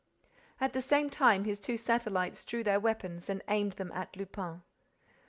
At the same time his two satellites drew their weapons and aimed them at Lupin.